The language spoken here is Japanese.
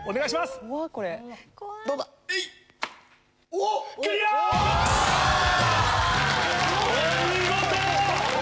お見事！